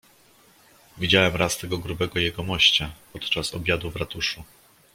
"Widziałem raz tego grubego jegomościa podczas obiadu w ratuszu."